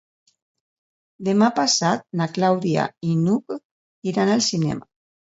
Demà passat na Clàudia i n'Hug iran al cinema.